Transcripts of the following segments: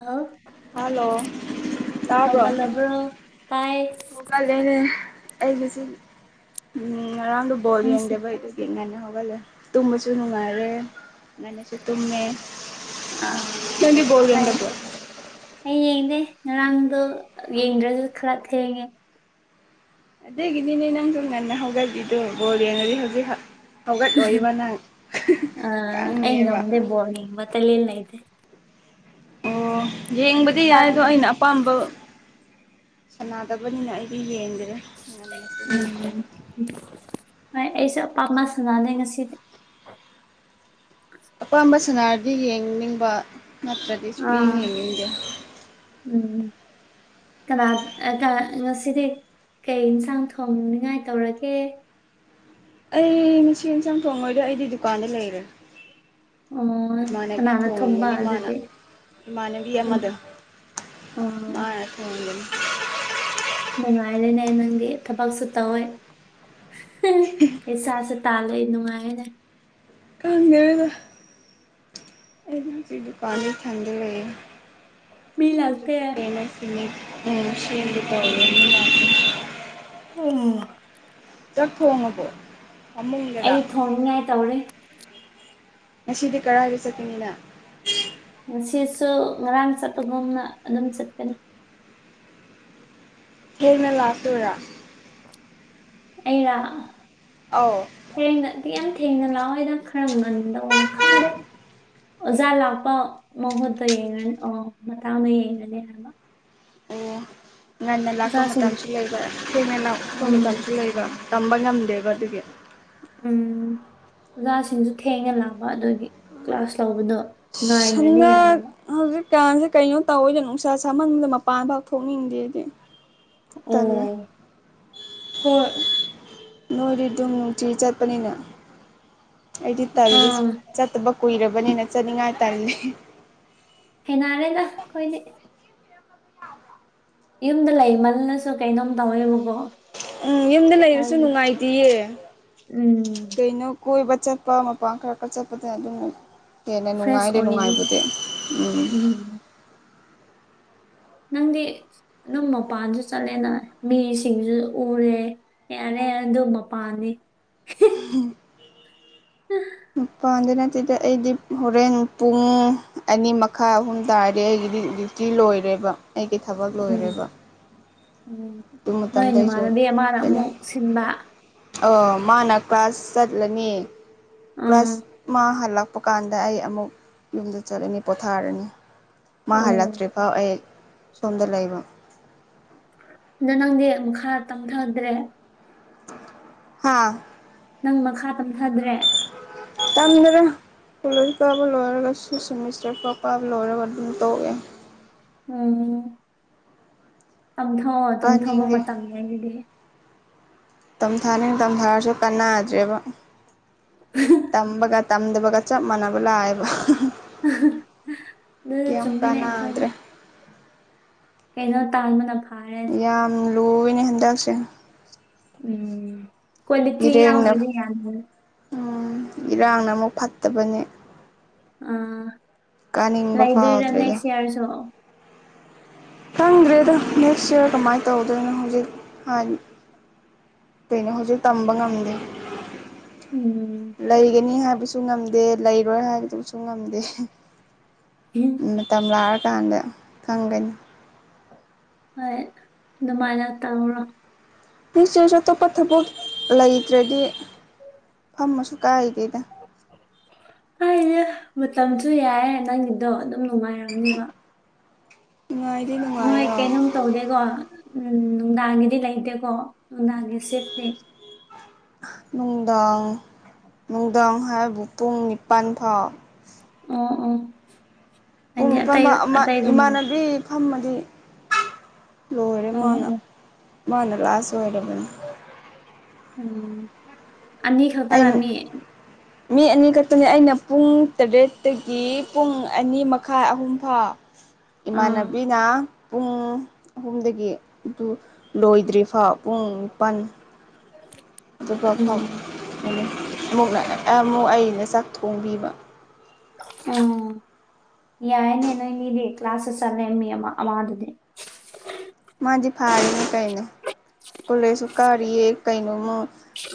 hello hello ꯇꯥꯕꯔꯣ ꯍꯧꯒꯠꯂꯕ꯭ꯔꯣ ꯇꯥꯏ ꯍꯧꯒꯠꯂꯦꯅꯦ ꯑꯩ ꯉꯁꯤ ꯉꯔꯥꯡꯗ ꯕꯣꯜ ꯅꯪꯁꯤ ꯌꯦꯡꯗꯦꯕ ꯑꯩꯗ ꯌꯦꯡꯉꯅ ꯉꯒꯜꯂꯦ ꯇꯨꯝꯕꯁꯨ ꯅꯨꯡꯉꯥꯏꯔꯦ ꯉꯅꯨꯡꯥꯏꯅꯁꯨ ꯇꯨꯝꯃꯦ ꯑꯥ ꯅꯪꯗꯤ ꯕꯣꯜ ꯅꯪ ꯌꯦꯡꯗꯕ꯭ꯔꯣ ꯑꯩ ꯌꯦꯡꯗꯦ ꯉꯔꯥꯡꯗꯣ ꯌꯦꯡꯗ꯭ꯔꯁꯨ ꯈꯔ ꯊꯦꯡꯉꯦ ꯑꯗꯨꯒꯤꯅꯤꯅꯦ ꯅꯪꯁꯨ ꯉꯟꯅ ꯍꯒꯠꯂꯤꯗꯣ ꯕꯣꯜ ꯌꯦꯡꯉꯥꯗꯤ ꯍꯧꯖꯤꯛ ꯍꯧꯒꯠꯂꯣꯏꯕ ꯅꯪ ꯑꯩ ꯈꯪꯉꯦꯕ ꯅꯝꯗꯦ ꯕꯣꯜ ꯌꯦꯡꯕ ꯇꯥꯂꯦꯟ ꯂꯩꯗꯦ ꯑꯣ ꯌꯦꯡꯕꯗꯤ ꯌꯥꯏ ꯆꯥꯛ ꯑꯗꯣ ꯑꯩꯅ ꯑꯄꯥꯝꯕ ꯁꯥꯟꯅꯗꯕꯅꯤꯅ ꯑꯩꯗꯤ ꯌꯦꯡꯗꯦ ꯎꯝ ꯍꯣꯏ ꯑꯩꯁꯨ ꯑꯄꯥꯝꯕ ꯁꯥꯟꯅꯅꯦ ꯉꯁꯤꯗꯤ ꯑꯄꯥꯝꯕ ꯁꯅꯥꯔꯗꯤ ꯌꯦꯡꯅꯤꯡꯕ ꯅꯠꯇ꯭ꯔꯗꯤ ꯁꯨꯛ ꯌꯦꯡ ꯑꯥ ꯌꯦꯡꯅꯤꯡꯗꯦ [inaudible] ꯀꯅꯥ ꯉꯁꯤꯗꯤ ꯀꯩ ꯏꯟꯁꯥꯡ ꯊꯣꯡꯅꯤꯉꯥꯏ ꯇꯧꯔꯒꯦ ꯑꯩ ꯉꯁꯤ ꯏꯟꯁꯥꯡ ꯊꯣꯡꯉꯣꯏꯗꯦ ꯑꯩꯗꯤ ꯗꯨꯀꯥꯟꯗ ꯂꯩꯔꯦ ꯑꯣ ꯏꯃꯥꯟꯅꯕꯤ ꯀꯅꯥꯅ ꯊꯣꯡꯕ ꯊꯣꯡꯒꯅꯤ ꯑꯗꯨꯗꯤ ꯏꯃꯥꯟꯅꯕꯤ ꯑꯃꯗ ꯑꯣ ꯃꯥꯅ ꯊꯣꯡꯒꯅꯤ ꯅꯨꯡꯉꯥꯏꯔꯦꯅꯦ ꯅꯪꯗꯤ ꯊꯕꯛꯁꯨ ꯇꯧꯋꯦ ꯄꯩꯁꯥꯁꯨ ꯇꯥꯜꯂꯦ ꯅꯨꯡꯉꯥꯏꯅꯦ ꯈꯪꯗꯦꯗꯥ ꯏꯗꯤ ꯆꯗꯤ ꯄꯅꯤ ꯊꯪꯗ ꯂꯩ ꯃꯤ ꯂꯥꯛꯇꯦ [unintelligible] ꯑꯣꯝ ꯆꯥꯛ ꯊꯣꯡꯉꯕꯣ ꯐꯃꯨꯡꯗꯔꯥ ꯑꯩ ꯊꯣꯡꯅꯤꯡꯉꯥꯏ ꯇꯧꯔꯤ ꯉꯁꯤꯗꯤ ꯀꯗꯥꯥꯏꯗ ꯆꯠꯀꯅꯤ ꯅꯪ ꯉꯁꯤꯁꯨ ꯉꯔꯥꯡ ꯆꯠꯄꯒꯨꯝꯅ ꯑꯗꯨꯝ ꯆꯠꯀꯅꯤ ꯇꯦꯡꯅ ꯂꯥꯛꯇꯣꯏꯔꯥ ꯑꯩꯔꯥ ꯑꯧ ꯇꯦꯡꯅ ꯌꯥꯝ ꯊꯦꯡꯅ ꯂꯥꯛꯑꯣꯏꯗ ꯈꯔ ꯉꯟꯗꯧ ꯈꯪꯗꯦ ꯑꯣꯖꯥ ꯂꯥꯛꯄ ꯃꯍꯨꯠꯇ ꯌꯦꯡꯉꯅꯤ ꯑ ꯃꯇꯥꯡꯗ ꯌꯦꯡꯒꯅꯤ ꯑꯣ ꯉꯟꯅ ꯂꯥꯛꯄ ꯃꯇꯝꯁꯨ ꯂꯩꯕ ꯊꯦꯡꯅ ꯂꯥꯛꯄ ꯎꯝ ꯃꯇꯝꯁꯨ ꯂꯩꯕ ꯇꯝꯕ ꯉꯝꯗꯦꯕ ꯑꯗꯨꯒꯤ ꯎꯝ ꯑꯣꯖꯥꯁꯤꯡꯁꯨ ꯊꯦꯡꯅ ꯂꯥꯛꯄ ꯑꯗꯨꯒꯤ ꯀ꯭ꯂꯥꯁ ꯂꯧꯕꯗꯣ ꯉꯥꯏꯗ꯭ꯔꯗꯤ ꯁꯅꯥ ꯌꯥꯗꯕ ꯍꯧꯖꯤꯛ ꯀꯥꯟꯁꯦ ꯀꯩꯅꯣꯝ ꯇꯧꯋꯤꯅꯦ ꯅꯨꯡꯁꯥ ꯁꯥꯃꯟꯕꯗ ꯃꯄꯥꯟ ꯐꯥꯎ ꯊꯣꯛꯅꯤꯡꯗꯦꯅꯦ ꯑꯣ ꯍꯣꯏ ꯅꯣꯏꯗꯤ ꯗꯨꯝ ꯅꯨꯡꯇꯤꯒꯤ ꯆꯠꯄꯅꯤꯅ ꯑꯩꯗꯤ ꯇꯜꯂꯤ ꯑꯥ ꯆꯠꯇꯕ ꯀꯨꯏꯔꯕꯅꯤꯅ ꯆꯠꯅꯤꯡꯉꯥꯏ ꯇꯜꯂꯤ ꯍꯩꯅꯔꯦꯗ ꯈꯣꯏꯗꯤ ꯌꯨꯝꯗ ꯂꯩꯃꯜꯂꯁꯨ ꯀꯩꯅꯣꯝ ꯇꯧꯋꯦꯕꯀꯣ ꯎꯝ ꯌꯨꯝꯗ ꯂꯩꯔꯁꯨ ꯍꯥꯏꯕꯗꯤ ꯅꯨꯡꯉꯥꯏꯇꯤꯌꯦ ꯎꯝ ꯀꯩꯅꯣ ꯀꯣꯏꯕ ꯆꯠꯄ ꯃꯄꯥꯟ ꯈꯔ ꯈꯔ ꯆꯠꯄꯗ ꯑꯗꯨꯝ ꯍꯦꯟꯅ ꯐ꯭ꯔꯦꯁ ꯅꯨꯡꯉꯥꯏꯗ ꯑꯣꯏꯅꯤ ꯅꯨꯡꯉꯥꯏꯕꯗꯤ ꯎꯝ ꯅꯪꯗꯤ ꯑꯗꯨꯝ ꯃꯄꯥꯟꯁꯨ ꯆꯠꯂꯦꯅ ꯃꯤꯁꯤꯡꯁꯨ ꯎꯔꯦ ꯌꯥꯔꯦ ꯑꯗꯨ ꯃꯄꯥꯥꯟꯅꯤ ꯍꯝ [inaudible] ꯃꯄꯥꯟꯗ ꯅꯠꯇꯦꯗ ꯑꯩꯗꯤ ꯍꯣꯔꯦꯟ ꯄꯨꯡ ꯑꯅꯤ ꯃꯈꯥꯏ ꯑꯍꯨꯝ ꯇꯥꯔꯗꯤ ꯑꯩꯒꯤꯗꯤ ꯗ꯭ꯌꯨꯇꯤ ꯂꯣꯏꯔꯦꯕ ꯑꯩꯒꯤ ꯊꯕꯛ ꯂꯣꯏꯔꯦꯕ ꯎꯝ ꯎꯝ ꯑꯗꯨ ꯅꯣꯏ ꯃꯇꯝꯗ ꯑꯩꯁꯨ ꯅꯃꯥꯟꯅꯕꯤ ꯑꯃꯅ ꯆꯠꯅꯤꯡ ꯑꯃꯨꯛ ꯁꯤꯟꯕ ꯑ ꯃꯥꯅ ꯀ꯭ꯂꯥꯁ ꯆꯠꯂꯅꯤ ꯎꯝ ꯀ꯭ꯂꯥꯁ ꯃꯥ ꯍꯜꯂꯛ ꯄ ꯀꯥꯟꯗ ꯑꯩ ꯑꯃꯨꯛ ꯌꯨꯝꯗ ꯆꯠꯂꯅꯤ ꯄꯣꯊꯥꯔꯅꯤ ꯃꯥ ꯎꯝ ꯍꯜꯂꯛꯇ꯭ꯔꯤꯐꯥꯎ ꯑꯩ ꯁꯣꯝꯗ ꯂꯩꯕ ꯑꯗꯣ ꯅꯪꯗꯤ ꯃꯈꯥ ꯇꯝꯊꯗ꯭ꯔꯦ ꯍꯥꯥ ꯅꯪ ꯃꯈꯥ ꯇꯝꯊꯗ꯭ꯔꯦ ꯇꯝꯗ꯭ꯔꯦ ꯀꯣꯂꯣꯖ ꯀꯥꯕ ꯂꯣꯏꯔꯒ ꯁꯤꯛ ꯁꯤꯃꯤꯁꯇꯔ ꯐꯥꯎ ꯀꯥꯕ ꯂꯣꯏꯔꯒ ꯑꯗꯨꯝ ꯇꯣꯛꯑꯦ ꯎꯝ ꯇꯝꯊꯣꯛꯑꯣ ꯇꯝꯊꯣꯛꯑꯣ ꯀꯥꯅꯤꯡꯗꯦ ꯃꯇꯝ ꯂꯩꯔꯗꯤ ꯇꯝꯊꯥꯅꯤ ꯇꯝꯊꯥꯔꯁꯨ ꯀꯥꯟꯅꯗ꯭ꯔꯦꯕ ꯇꯝꯕꯒ ꯇꯝꯗꯕꯒ ꯆꯞ ꯃꯥꯟꯅꯕ ꯂꯥꯛꯑꯦꯕ ꯑꯗꯨ ꯀꯦꯝ ꯆꯨꯝꯃꯤꯅꯦ ꯑꯩꯈꯣꯏ ꯀꯥꯟꯅꯗ꯭ꯔꯦ ꯀꯩꯅꯣ ꯇꯥꯥꯟꯕꯗ ꯐ ꯌꯥꯝ ꯂꯨꯏꯅꯦ ꯍꯟꯗꯛꯁꯦ ꯎꯝ ꯀ꯭ꯋꯥꯂꯤꯇꯤ ꯏꯔꯦꯡꯅ ꯌꯥꯎꯗ꯭ꯔꯗꯤ ꯌꯥꯗꯦ ꯎꯝ ꯏꯔꯥꯡꯅ ꯑꯃꯨꯛ ꯐꯠꯇꯕꯅꯦ ꯑꯥ ꯀꯥꯅꯤꯡꯕ ꯂꯩꯗꯣꯏꯔꯥ ꯐꯥꯎꯗ꯭ꯔꯦꯗ ꯅꯦꯛꯁ ꯏꯌꯥꯔꯁꯨ ꯈꯪꯗ꯭ꯔꯦꯗ ꯅꯦꯛꯁ ꯏꯌꯥꯔ ꯀꯃꯥꯏꯅ ꯇꯧꯗꯣꯏꯅꯣ ꯍꯧꯖꯤꯛ ꯀꯩꯅꯣ ꯍꯧꯖꯤꯛ ꯇꯝꯕ ꯉꯝꯗꯦ ꯎꯝ ꯂꯩꯒꯅꯤ ꯍꯥꯏꯕꯁꯨ ꯉꯝ ꯗꯦ ꯂꯩꯔꯣꯏ ꯍꯥꯏꯕꯗꯨꯕꯁꯨ ꯉꯝꯗꯦ ꯃꯇꯝ ꯂꯥꯑ ꯀꯥꯟꯗ ꯈꯪꯒꯅꯤ ꯍꯣꯏ ꯑꯗꯨꯃꯥꯏꯅ ꯇꯧꯔꯣ ꯀꯔꯤꯁꯨ ꯑꯇꯣꯞꯄ ꯊꯕꯛ ꯂꯩꯇ꯭ꯔꯗꯤ ꯐꯝꯃꯁꯨ ꯀꯥꯏꯗꯦꯗ ꯍꯥꯏꯅꯦ ꯃꯇꯝꯁꯨ ꯌꯥꯏꯌꯦ ꯅꯪꯒꯤꯗꯣ ꯑꯗꯨꯝ ꯅꯨꯡꯉꯥꯏꯔꯝꯅꯦꯕ ꯅꯨꯡꯉꯥꯏꯗꯤ ꯅꯣꯏ ꯅꯨꯡꯉꯥꯏꯌꯦ ꯀꯩꯅꯣꯝ ꯇꯧꯗꯦꯀꯣ ꯎꯝ ꯅꯨꯡꯗꯥꯡꯒꯤꯗꯤ ꯂꯩꯇꯦꯀꯣ ꯅꯨꯡꯗꯥꯡꯒꯤ ꯁꯦꯐꯅꯦ ꯅꯨꯡꯗꯥꯡ ꯅꯨꯡꯗꯥꯡ ꯍꯥꯏꯕꯨ ꯄꯨꯡ ꯅꯤꯄꯜ ꯐꯥꯎ ꯑ ꯑꯥ ꯄꯨꯡ ꯅꯤꯄꯥꯥꯟ ꯏꯃꯥꯟꯅꯕꯤ ꯐꯝꯃꯗꯤ ꯂꯣꯏꯔꯦ ꯑꯣ ꯃꯥꯅ ꯑꯣ ꯃꯅ ꯂꯥꯛꯑꯁꯨ ꯑꯣꯏꯔꯕꯨ ꯎꯝ ꯑ ꯈ ꯇꯅ ꯑꯩ ꯑꯃꯤ ꯃꯤ ꯑꯅꯤꯈꯛꯇꯅꯤ ꯑꯩꯅ ꯄꯨꯡ ꯇꯔꯦꯠ ꯗꯒꯤ ꯄꯨꯡ ꯑꯅꯤ ꯃꯈꯥꯏ ꯑꯍꯨꯝꯐꯥꯎ ꯑꯥ ꯏꯃꯥꯟꯅꯕꯤꯅ ꯄꯨꯡ ꯑꯍꯨꯝꯗꯒꯤ ꯑꯗꯨ ꯂꯣꯏꯗ꯭ꯔꯤꯐ ꯄꯨꯡ ꯅꯤꯄꯜ ꯑꯗꯨꯒ ꯎꯝ ꯑꯃꯨꯛ ꯑꯃꯨꯛ ꯑꯩꯅ ꯆꯥꯛ ꯊꯣꯡꯕꯤꯕ ꯎꯝ ꯌꯥꯏꯅꯦ ꯅꯣꯏꯅꯤꯗꯤ ꯀ꯭ꯂꯥꯁꯦ ꯆꯠꯅꯦ ꯃꯤ ꯑꯃ ꯑꯃꯥꯗꯨꯗꯤ ꯃꯥꯗꯤ ꯐꯥꯔꯤꯅꯤ ꯀꯩꯅꯣ ꯀꯣꯂꯦꯖꯁꯨ ꯀꯥꯔꯤꯌꯦ ꯀꯩꯅꯣꯃꯨ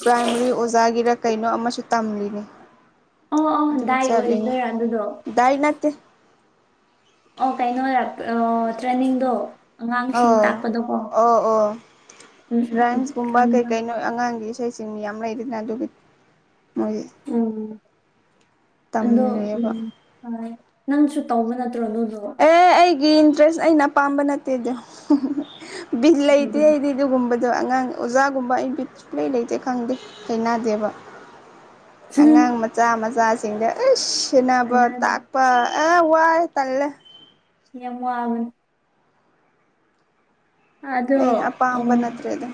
ꯄ꯭ꯔꯥꯏꯃꯔꯤ ꯑꯣꯖꯥꯒꯤꯔ ꯀꯩꯅꯣ ꯑꯃꯁꯨ ꯇꯝꯂꯤꯅꯤ ꯑꯣ ꯑꯣ ꯑꯗꯨ ꯑꯗꯨꯝ ꯗꯥꯏ ꯑꯣꯏꯗꯣꯏꯔꯥ ꯑꯗꯨꯗꯣ ꯆꯠꯗꯥꯥꯏꯅꯠꯇ ꯑꯣ ꯀꯩꯅꯣ ꯇ꯭ꯔꯦꯟꯅꯤꯡꯗꯣ ꯑꯣ ꯑꯣ ꯑꯣ ꯎꯝ ꯎꯝ ꯎꯝ ꯔꯥꯏꯝꯁꯀꯨꯝꯕ ꯈꯪꯉꯦ ꯀꯩꯀꯩꯅꯣ ꯑꯉꯥꯡꯒꯤ ꯏꯁꯩꯁꯤꯡ ꯃꯤ ꯌꯥꯝ ꯂꯩꯗꯅ ꯑꯗꯨꯒꯤ ꯃꯣꯏ ꯎꯝ ꯑꯗꯣ ꯎꯝ ꯇꯝꯂꯦꯕ ꯅꯪꯁꯨ ꯇꯧꯕ ꯅꯠꯇ꯭ꯔꯣ ꯅꯣꯏꯗꯣ ꯒꯤ ꯏꯟꯇꯔꯦꯁ ꯑꯩꯅ ꯑꯄꯥꯝꯕ ꯅꯠꯇꯦꯗ ꯕꯤꯜ ꯂꯩꯇꯦ ꯑꯩꯗꯤ ꯑꯗꯨꯒꯨꯝꯕ ꯑꯗꯣ ꯑꯉꯥꯡ ꯑꯣꯖꯥꯒꯨꯝꯕ ꯑꯩꯗꯤ ꯁꯨꯛꯂꯩ ꯂꯩꯇꯦ ꯈꯪꯗꯦ ꯂꯩꯅꯗꯦꯕ ꯑꯉꯥꯡ ꯃꯆꯥ ꯃꯆꯥꯁꯤꯡꯗ ꯑꯁ ꯁꯟꯅꯕ ꯑꯗꯨꯅꯦ ꯇꯥꯛꯄ ꯑ ꯋꯥꯏ ꯇꯜꯂꯦ ꯌꯥꯝꯃꯒꯟ ꯑꯗꯣ ꯑꯩꯅ ꯑꯣ ꯑꯄꯥꯝꯕ ꯅꯠꯇ꯭ꯔꯦꯗ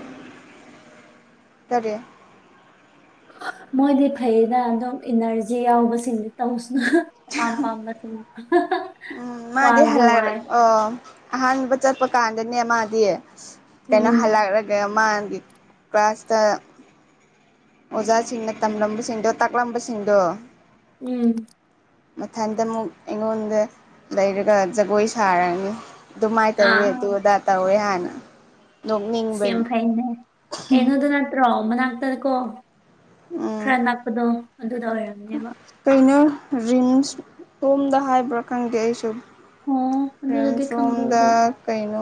ꯇꯔꯦꯠ ꯃꯣꯏꯗꯤ ꯐꯩꯅ ꯑꯗꯨꯝ ꯏꯅꯔꯖꯤ ꯌꯥꯎꯕꯁꯤꯡꯗꯤ ꯇꯧꯁꯤ ꯑꯃꯝꯕ ꯁꯤꯡ ꯎꯝ ꯃꯥꯗꯤ ꯍꯜꯂꯦ ꯑꯣ ꯑꯍꯥꯟꯕ ꯆꯠꯄ ꯀꯥꯟꯗꯅꯦ ꯃꯥꯗꯤ ꯀꯩꯅꯣ ꯎꯝ ꯍꯜꯂꯛꯂꯒ ꯃꯥꯒꯤ ꯀ꯭ꯂꯥꯁꯇ ꯑꯣꯖꯥꯁꯤꯡꯅ ꯇꯝꯂꯝꯕꯁꯤꯡꯗꯣ ꯇꯥꯛꯂꯝꯕꯁꯤꯡꯗꯣ ꯎꯝ ꯃꯊꯟꯇ ꯑꯃꯨꯛ ꯑꯩꯉꯣꯟꯗ ꯂꯩꯔꯒ ꯖꯒꯣꯏ ꯁꯥꯔꯅꯤ ꯗꯨꯃꯥꯏ ꯇ ꯍꯋꯦ ꯑꯥ ꯑꯗꯨꯗꯨꯗꯥꯥꯛ ꯇ ꯍꯋꯦ ꯍꯅ ꯁꯤꯝ ꯐꯥꯏꯅꯦ ꯀꯩꯅꯩꯅꯣ ꯑꯗꯨ ꯅꯠꯇ꯭ꯔꯣ ꯃꯅꯥꯛꯇ ꯀꯣ ꯎꯝ ꯈꯔ ꯂꯥꯛꯄꯗꯣ ꯑꯗꯨꯗ ꯑꯣꯏꯔꯝꯅꯦꯕ ꯔꯤꯝꯁꯇꯣꯝꯗ ꯍꯥꯏꯕ꯭ꯔꯥ ꯈꯪꯗꯦ ꯑꯩꯁꯨ ꯑꯣ ꯑꯗꯨꯗꯗꯤ ꯈꯪꯗꯦ [unintelligible] ꯗ ꯑꯗꯨ ꯀꯩꯅꯣ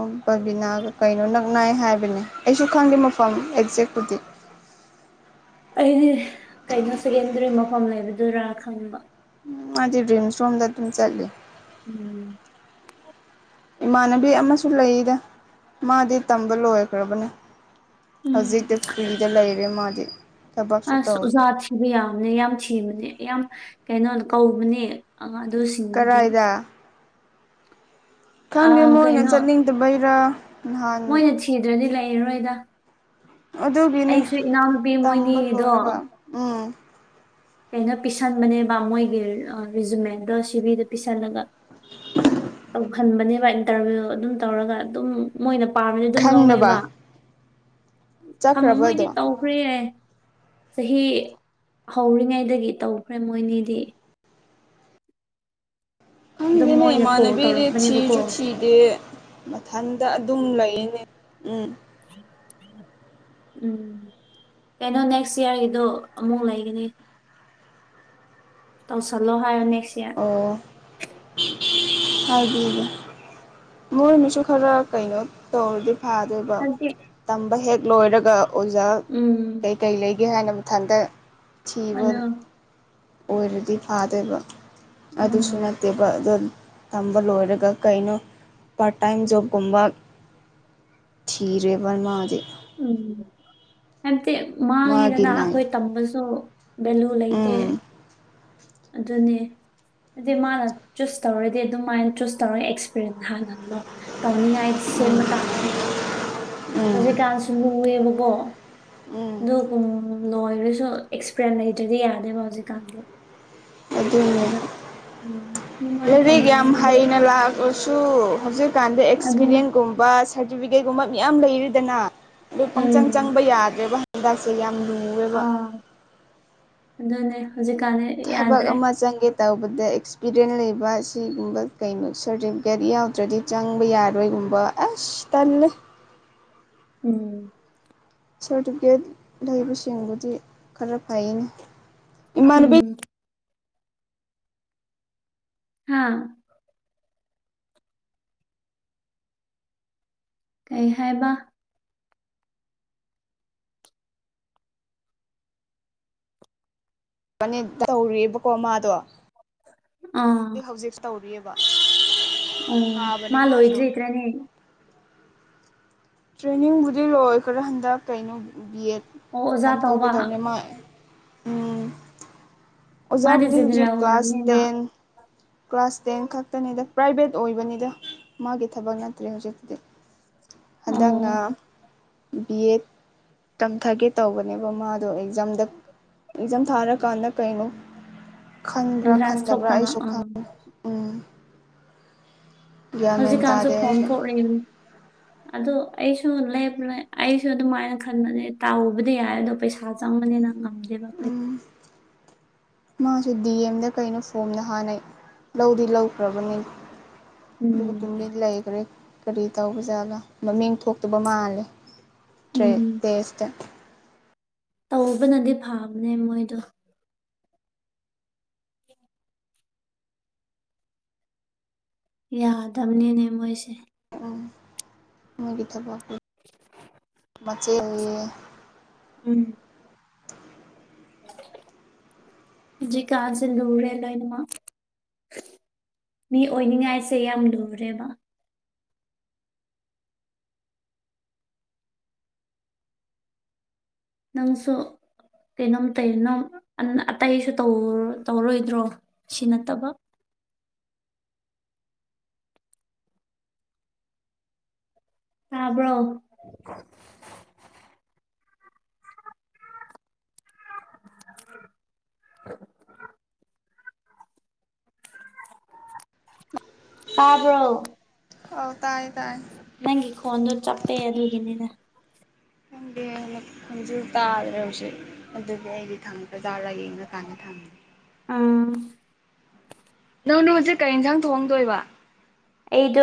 ꯀꯩꯅꯣ ꯅꯨꯡꯅꯥꯥꯏ ꯍꯥꯏꯕꯅꯦ ꯑꯩꯁꯨ ꯈꯪꯗꯦ ꯃꯐꯝ ꯑꯦꯛꯖꯦꯛꯄꯨꯗꯤ ꯑꯩꯗꯤ ꯀꯩꯅꯣ ꯁꯦꯀꯦꯟꯗꯔꯤ ꯃꯐꯝ ꯂꯩꯕꯗꯨꯔꯥ ꯈꯪꯕ ꯃꯥꯖꯤ ꯗ꯭ꯔꯤꯝꯁ ꯔꯣꯝꯗꯝ ꯆꯂꯤ ꯎꯝ ꯏꯃꯥꯟꯅꯕꯤ ꯑꯃꯁꯨ ꯂꯩꯔꯤꯗ ꯃꯥꯗꯤ ꯇꯝꯕ ꯂꯣꯏꯈ꯭ꯔꯕꯅꯦ ꯎꯝ ꯍꯧꯖꯤꯛꯇꯤ ꯐ꯭ꯔꯤꯗ ꯂꯩꯔꯦ ꯃꯥꯗꯤ ꯊꯕꯛꯁꯨ ꯑꯁ ꯇꯧꯗꯦ ꯑꯣꯖꯥ ꯊꯤꯕ ꯌꯥꯕꯅꯦ ꯌꯥꯝ ꯊꯤꯕꯅꯦ ꯌꯥꯝ ꯀꯩꯅꯣ ꯀꯧꯕꯅꯦ ꯉꯥꯡ ꯑꯗꯨꯁꯤꯡꯗꯨꯗꯤ ꯀꯔꯥꯏꯗ ꯑ ꯈꯪꯗꯦ ꯃꯣꯏꯅ ꯀꯩꯅꯣ ꯆꯠꯅꯤꯡꯗꯕꯩꯔꯥ ꯅꯍꯥꯟ ꯃꯣꯏꯅ ꯊꯤꯗ꯭ꯔꯗꯤ ꯂꯩꯔꯔꯣꯏꯗ ꯑꯗꯨꯒꯤꯅꯦ ꯑꯩꯁꯨ ꯏꯅꯥꯎꯄꯤ ꯇꯝꯕ ꯃꯣꯏꯅꯤꯒꯤꯗꯣ ꯂꯣꯏꯔꯒ ꯎꯝ ꯀꯩꯅꯣ ꯄꯤꯁꯟꯕꯅꯦꯕ ꯃꯣꯏꯒꯤ ꯔꯤꯖꯨꯃꯦꯟꯗꯣ ꯁꯤꯚꯗꯣ ꯄꯤꯁꯜꯂꯒ ꯇꯧꯍꯟꯕꯅꯦꯕ ꯏꯟꯇꯔꯚꯤꯌꯨ ꯑꯗꯨꯝ ꯇꯧꯔꯒ ꯑꯗꯨꯝ ꯃꯣꯏꯅ ꯄꯥꯕꯗꯤ ꯑꯗꯨꯝ ꯈꯪꯅꯕ ꯂꯧꯋꯦꯕ ꯐꯝ ꯃꯣꯏꯗꯤ ꯆꯠꯈ꯭ꯔꯕꯗꯣ ꯇꯧꯈ꯭ꯔꯦ ꯆꯍꯤ ꯍꯧꯔꯤꯉꯩꯗꯒꯤ ꯇꯧꯈ꯭ꯔꯦ ꯃꯣꯏꯅꯤꯗꯤ ꯑꯗꯨꯝ ꯍꯒꯤꯅꯦ ꯃꯣꯏꯅ ꯀꯣꯜ ꯃꯅꯕꯤꯔꯦꯁꯤ ꯇꯧꯔꯛꯄꯅꯦꯕꯀꯣ ꯆ ꯊꯤꯗꯦ ꯃꯊꯟꯗ ꯑꯗꯨꯝ ꯂꯩꯅꯦ ꯎꯝ ꯎꯝ ꯎꯝ ꯀꯩꯅꯣ ꯅꯦꯛꯁ ꯏꯌꯥꯔꯒꯤꯗꯣ ꯑꯃꯨꯛ ꯂꯩꯒꯅꯤ ꯇꯧ ꯆꯂꯣ ꯍꯥꯏ ꯑꯅꯤ ꯑꯣ ꯍꯥꯏꯕꯤꯒ ꯃꯣꯏꯅꯁꯨ ꯈꯔ ꯀꯩꯅꯣ ꯇꯧꯔꯗꯤ ꯐꯥꯗꯣꯏꯕ ꯍꯥꯏꯕꯗꯤ ꯇꯝꯕ ꯍꯦꯛ ꯂꯣꯏꯔꯒ ꯑꯣꯖꯥ ꯎꯝ ꯀꯩꯀꯩ ꯂꯩꯒꯦ ꯍꯥꯏꯅ ꯃꯊꯟꯗ ꯊꯤꯕ ꯑꯗꯣ ꯑꯣꯏꯔꯗꯤ ꯐꯥꯗꯣꯏꯕ ꯑꯗꯨꯁꯨ ꯎꯝ ꯅꯠꯇꯦꯕ ꯑꯗ ꯇꯝꯕ ꯂꯣꯏꯔꯒ ꯀꯩꯅꯣ ꯄꯥꯔꯠ ꯇꯥꯏꯝ ꯖꯣꯕꯀꯨꯝꯕ ꯈꯤꯔꯦ ꯔꯃꯗ ꯎꯝ ꯍꯥꯏꯕꯗꯤ ꯃꯥꯒꯤ ꯃꯥꯡꯉꯦꯗꯅ ꯂꯥꯏꯟ ꯑꯩꯈꯣꯏ ꯇꯝꯕꯁꯨ ꯕꯂꯨ ꯂꯩ ꯂꯩꯇ ꯎꯝ ꯑꯗꯨꯅꯦ ꯑꯗꯨꯗꯤ ꯃꯥꯅ ꯆꯨꯁ ꯇꯧꯔꯗꯤ ꯑꯗꯨꯃꯥꯏꯅ ꯆꯨꯁ ꯇꯧꯔ ꯑꯦꯛꯁꯄꯤꯔꯤꯌꯦꯟꯁ ꯍꯥꯟꯅꯜꯂꯣ ꯇꯧꯅꯤꯡꯉꯥꯏ ꯁꯦꯝꯕ ꯇꯥꯕꯅꯦꯕ ꯎꯝ ꯍꯧꯖꯤꯛꯀꯥꯟꯁꯨ ꯂꯨꯑꯦꯕꯀꯣ ꯎꯝ ꯑꯗꯨꯒ ꯂꯣꯏꯔꯁꯨ ꯑꯦꯛꯁꯄ꯭ꯔꯦꯟ ꯂꯩꯗ꯭ꯔꯗꯤ ꯌꯥꯗꯦꯕ ꯍꯧꯖꯤꯛꯀꯥꯟꯗꯤ ꯑꯗꯨꯅꯤ ꯑꯗ ꯎꯝ ꯑꯗꯨꯃꯥꯏꯅ ꯂꯥꯏꯔꯤꯛ ꯌꯥꯝ ꯇꯧꯅꯩꯌꯦꯕ ꯍꯩꯅ ꯂꯥꯛꯑꯂꯁꯨ ꯍꯧꯖꯤꯛ ꯀꯥꯟꯗ ꯑꯗꯨꯒꯤ ꯑꯗꯨꯅꯦ ꯑꯦꯛꯁꯄꯤꯔꯤꯌꯦꯟꯁꯀ ꯒꯨꯝꯕ ꯁꯥꯔꯇꯤꯐꯤꯀꯦꯠ ꯀꯨꯝꯕ ꯃꯌꯥꯝ ꯂꯩꯔꯤꯗꯅ ꯑꯗꯨ ꯄꯪꯆꯪ ꯎꯝ ꯆꯪꯕ ꯌꯥꯗ꯭ꯔꯦꯕ ꯍꯤꯗꯥꯛꯁꯦ ꯑꯥ ꯑꯗꯨꯅꯦ ꯍꯧꯖꯤꯛꯀꯥꯟꯅ ꯊꯕꯛ ꯌꯥꯗ꯭ꯔꯦ ꯑꯃ ꯆꯪꯒꯦ ꯇꯧꯕꯗ ꯑꯦꯛꯁꯄꯤꯔꯤꯌꯦꯟ ꯂꯩꯕ ꯁꯤꯒꯨꯝꯕ ꯀꯩꯅꯣ ꯁꯥꯔꯇꯤꯐꯤꯀꯦꯠ ꯌꯥꯎꯗ꯭ꯔꯗꯤ ꯆꯪꯕ ꯌꯥꯔꯣꯏꯨꯝ ꯀꯨ ꯑꯦꯁ ꯇꯜꯦ ꯎꯝ ꯁꯥꯔꯇꯤꯐꯤꯀꯦꯠ ꯂꯩꯕꯁꯤꯡꯕꯨꯗꯤ ꯈꯔ ꯐꯩꯅꯤ ꯎꯝ ꯍꯥꯥ ꯀꯩ ꯍꯥꯏꯕ ꯇꯧꯔꯤꯑꯕꯀꯣ ꯃꯥꯗꯣ ꯑꯥ ꯍꯧꯖꯤꯛ ꯍꯧꯖꯤꯛ ꯇꯧꯔꯤꯑꯕ ꯋꯥ ꯑꯣ ꯃꯥ ꯂꯣꯍꯤꯠ ꯆꯈ꯭ꯔꯦꯅꯤ ꯇ꯭ꯔꯦꯅꯤꯡꯕꯨꯗꯤ ꯂꯣꯏ ꯈꯔꯥ ꯍꯟꯗꯛ ꯀꯩꯅꯣ ꯕꯤ ꯑꯦꯠ ꯑꯣꯖꯥ ꯇꯝꯊꯣꯛꯀꯦ ꯇꯧꯕ ꯇꯧꯅꯦ ꯃꯥ ꯎꯝ ꯃꯥꯗꯤ ꯑꯣꯖꯥꯕꯨꯗꯤ ꯍꯧꯖꯤ ꯖꯦꯅꯦꯔꯦꯜ ꯀ꯭ꯂꯥꯁ ꯑꯣꯏꯔꯕꯅꯤꯅ ꯇꯦꯟ ꯀ꯭ꯂꯥꯁ ꯇꯦꯟ ꯈꯛꯇꯅꯤꯗ ꯄ꯭ꯔꯥꯏꯚꯦꯠ ꯑꯣꯏꯕꯅꯤꯗ ꯃꯥꯒꯤ ꯊꯕꯛ ꯅꯠꯇ꯭ꯔꯦ ꯍꯧꯖꯤꯛꯇꯤꯗꯤ ꯑꯣ ꯍꯟꯗꯛꯅ ꯕꯤ ꯑꯦꯠ ꯇꯝꯊꯒꯦ ꯇꯧꯕꯅꯦꯕ ꯃꯥꯗꯣ ꯑꯦꯛꯖꯥꯝꯗ ꯑꯦꯛꯖꯥꯝ ꯊꯥꯔꯀꯥꯟꯗ ꯀꯩꯅꯣ ꯈꯟꯕ꯭ꯔꯥ ꯑꯦꯟꯇ꯭ꯔꯥꯟꯁ ꯈꯟꯗꯕ꯭ꯔꯥ ꯊꯣꯛꯇꯕ ꯑꯩꯁꯨ ꯑꯥ ꯈꯪꯉꯦ ꯒ꯭ꯌꯥꯟ ꯃꯦꯟ ꯍꯧꯖꯤꯛꯀꯥꯟꯁꯨ ꯇꯥꯗꯦ ꯐꯣꯝ ꯑꯩꯁꯨ ꯊꯣꯛꯛꯏꯅꯤ ꯑꯗꯣ ꯑꯩꯁꯨ ꯂꯦꯞ ꯑꯩꯁꯨ ꯑꯗꯨꯃꯥꯏꯅ ꯈꯟꯕꯅꯦ ꯇꯥꯎꯕꯗꯤ ꯌꯥꯔꯦ ꯑꯗꯣ ꯄꯩꯁꯥ ꯆꯪꯉ ꯃꯅꯦ ꯂꯒꯥꯝꯗꯦꯕꯄ ꯃꯥꯁꯨ ꯗꯤ ꯑꯦꯝꯗ ꯀꯩꯅꯣ ꯐꯣꯝꯗ ꯍꯥꯟꯅꯩ ꯂꯧꯗꯤ ꯂꯧꯈ꯭ꯔꯕꯅꯤ ꯑꯗꯨꯒ ꯎꯝ ꯇꯨꯃꯤ ꯂꯩꯈ꯭ꯔꯦ ꯀꯔꯤ ꯇꯧꯕꯖꯥꯠꯂ ꯃꯃꯤꯡ ꯊꯣꯛꯇꯕ ꯃꯥꯜꯂꯦ ꯇ꯭ꯔꯦ ꯎꯝ ꯇꯦꯁ ꯇꯧꯕꯅꯗꯤ ꯐꯕꯅꯦ ꯃꯣꯏꯗꯣ ꯌꯥꯗꯕꯅꯤꯅꯦ ꯃꯣꯏꯁꯦ ꯃꯣꯏꯒꯤ ꯊꯕ [inaudible] ꯃꯆꯦ ꯍꯌꯦ ꯎꯝ ꯖꯤ ꯀꯥꯖ ꯂꯨꯔ ꯔꯦ ꯂꯣꯣꯏꯅꯃ ꯃꯤ ꯑꯣꯏꯅꯤꯡꯉꯥꯏꯁꯦ ꯌꯥꯝ ꯂꯨꯔꯦꯕ ꯅꯪꯁꯨꯣ ꯀꯩꯅꯣꯝ ꯀꯩꯅꯣꯝ ꯑꯇꯩꯁꯨ ꯇꯧꯔꯣꯏꯗ꯭ꯔꯣ ꯁꯤ ꯅꯠꯇꯕ [inaudible] ꯇꯥꯕ꯭ꯔꯣ [unintelligible] ꯇꯥꯔꯕꯣ ꯍꯧ ꯇꯥꯏ ꯇꯥꯏ ꯅꯪꯒꯤ ꯈꯣꯟꯗꯣ ꯆꯞꯄꯦ ꯑꯗꯨꯒꯤꯅꯤꯗꯥ ꯈꯪꯗꯦꯅ ꯈꯟꯖꯤ ꯇꯥꯗ꯭ꯔꯦ ꯍꯧꯖꯤꯛ ꯑꯗꯨꯗꯤ ꯑꯩꯗꯤ ꯊꯪꯕ꯭ꯔꯖꯥꯔꯥ ꯌꯦꯡꯉ ꯀꯥꯟꯗ ꯊꯝꯦ [inaudible] ꯎꯝ ꯅꯪꯅ ꯍꯧꯖꯤꯛ ꯀꯔꯤ ꯌꯦꯟꯖꯥꯡ ꯊꯣꯡꯗꯣꯏꯕ ꯑꯩꯗꯣ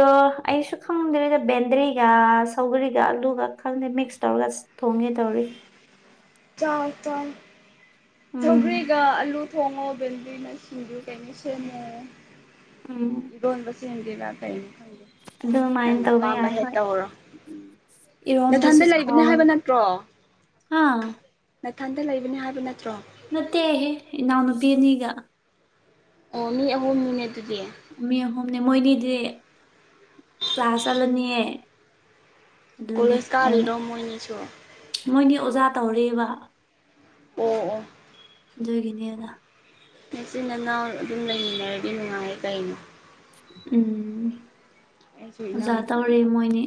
ꯑꯩꯁꯨ ꯈꯪꯗ꯭ꯔꯤꯗ ꯕꯦꯟꯗ꯭ꯔꯤꯒ ꯁꯧꯒꯔꯤꯒ ꯑꯂꯨꯒ ꯈꯪꯗ꯭ꯔꯦ ꯃꯤꯛꯁ ꯇꯧꯔ ꯁ ꯊꯣꯡꯒꯦ ꯇꯧꯔꯤ ꯆꯥꯎ ꯆꯥꯎ ꯎꯝ ꯁꯧꯒꯔꯤꯒ ꯑꯜꯂꯨ ꯊꯣꯡꯉꯣ ꯕꯗꯔꯤꯅ ꯁꯤꯡꯖꯨ ꯀꯩꯅꫭꯁ‌ꯦꯝꯃꫭ ꯎꯝ ꯏꯕꯣꯟꯣꯟꯕꯁ ꯆꯦꯟꯕꯤꯔ ꯀꯩꯅꯣ ꯈꯪꯗꯦ ꯑꯗꯨꯃꯥꯏꯅ ꯅꯪꯅ ꯇꯧꯕ ꯑꯄꯥꯝꯕ ꯌꯥꯏ ꯍꯦꯛ ꯍꯣꯏ ꯇꯧꯔꯣ ꯅꯊꯟꯗ ꯏꯔꯣꯝꯕꯁꯨ ꯂꯩꯕꯅꯦ ꯍꯥꯎꯋꯦ ꯍꯥꯏꯕ ꯅꯠꯇ꯭ꯔꯣ ꯑꯥ ꯏꯊꯟꯇ ꯂꯩꯕꯅꯤ ꯍꯥꯏꯕ ꯅꯠꯇ꯭ꯔꯣ ꯅꯠꯇꯦꯍꯦ ꯏꯅꯥꯎ ꯅꯨꯨꯄꯤ ꯑꯅꯤꯒ ꯑꯣ ꯃꯤ ꯑꯍꯨꯅꯤꯅ‌ꯦ ꯃꯗꯨꯗꯤ ꯃꯤ ꯑꯍꯨꯝꯅꯦ ꯃꯣꯏꯅꯤꯗꯤ ꯀ꯭ꯂꯥꯁ ꯆꯠꯂꯅꯤ ꯑꯗꯨꯅꯦ ꯀꯣꯂꯦꯖ ꯑꯩꯅ ꯀꯥꯔꯤꯔꯣ ꯃꯣꯏꯅꯤꯁꯨ ꯑꯣ ꯃꯣꯏꯒꯤ ꯑꯣꯖꯥ ꯇꯧꯔꯤꯕ ꯑꯣ ꯑꯣ ꯑꯗꯨꯒꯤꯅꯤ ꯑꯅ ꯅꯆꯤꯟ ꯅꯅꯥꯎ ꯑꯗꯨꯝ ꯂꯩꯃꯤꯟꯅꯔꯗꯤ ꯅꯨꯡꯉꯥꯏ ꯀꯩꯅꯣ ꯎꯝ ꯑꯁꯨ ꯑꯣꯖꯥ ꯏꯅꯥꯎꯅꯨꯄꯤ ꯇꯧꯔꯤ ꯑꯃꯒꯥ ꯃꯣꯏꯅꯤ